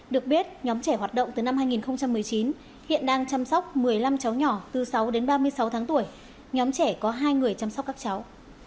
được biết nhóm trẻ hoạt động từ năm hai nghìn một mươi chín hiện đang chăm sóc một mươi năm cháu nhỏ từ sáu đến ba mươi sáu tháng tuổi nhóm trẻ có hai người chăm sóc các cháu